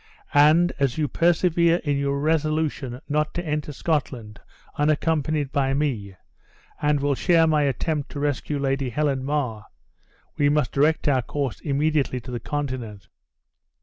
And, as you persevere in your resolution not to enter Scotland unaccompanied by me, and will share my attempt to rescue Lady Helen Mar, we must direct our course immediately to the Continent."